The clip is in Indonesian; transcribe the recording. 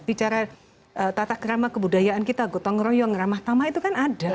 bicara tata kerama kebudayaan kita gotong royong ramah tamah itu kan ada